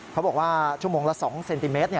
เขาบอกว่าชั่วโมงละ๒เซนติเมตร